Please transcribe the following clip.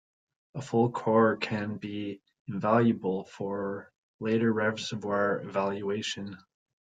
A full core can be invaluable for later reservoir evaluation.